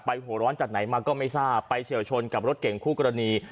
หัวร้อนจากไหนมาก็ไม่ทราบไปเฉียวชนกับรถเก่งคู่กรณี